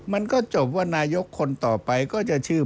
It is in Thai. มันก็จบว่านายกคนต่อไปก็จะชื่อ